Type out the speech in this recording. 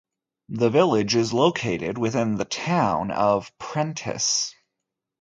The village is located within the Town of Prentice.